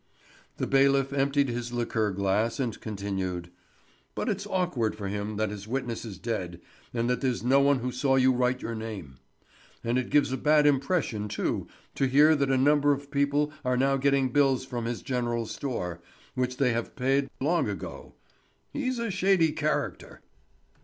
The bailiff emptied his liqueur glass and continued: "But it's awkward for him that his witness is dead, and that there's no one who saw you write your name. And it gives a bad impression, too, to hear that a number of people are now getting bills from his general store, which they have paid long ago. He's a shady character."